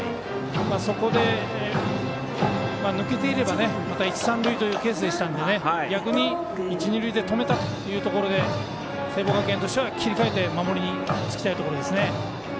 そこで抜けていればまた一塁三塁というケースでしたので逆に一、二塁で止めたというところで聖望学園としては切り替えて守りにつきたいところですね。